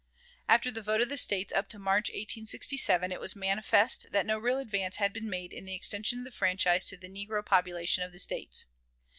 After the vote of the States up to March, 1867, it was manifest that no real advance had been made in the extension of the franchise to the negro population of the States.